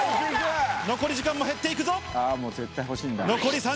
残り時間も減っていくぞ。